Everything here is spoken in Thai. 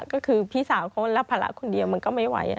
ก็คือพี่สาวเขารับภาระคนเดียวมันก็ไม่ไหว